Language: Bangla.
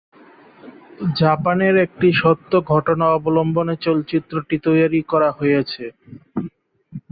জাপানের একটি সত্য ঘটনা অবলম্বনে চলচ্চিত্রটি তৈরি করা হয়েছে।